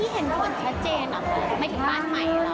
ที่เห็นคนชัดเจนอ่ะไม่ถึงบ้านใหม่หรอก